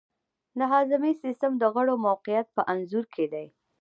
د هاضمې سیستم د غړو موقیعت په انځور کې دی.